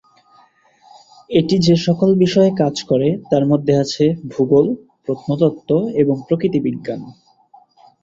এটি যে-সকল বিষয়ে কাজ করে তার মধ্যে আছে, ভূগোল, প্রত্নতত্ত্ব, এবং প্রকৃতি বিজ্ঞান।